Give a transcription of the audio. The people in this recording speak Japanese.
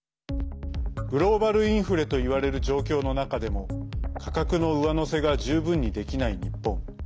グローバルインフレといわれる状況の中でも価格の上乗せが十分にできない日本。